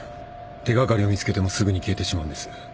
手掛かりを見つけてもすぐに消えてしまうんです。